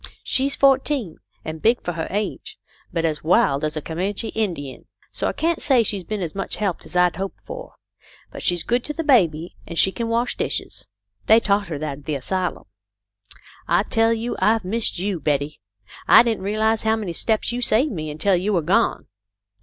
She's fourteen, and big for her age, but as wild as a Co manche Indian. So I can't say she's been as much help as I'd hoped for. But she's good to the baby, and she can wash dishes. They taught her that at the asylum. I tell you I've missed you, Betty. I didn't realise how many steps you saved me until you were gone.